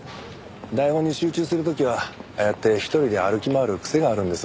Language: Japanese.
台本に集中する時はああやって一人で歩き回る癖があるんです。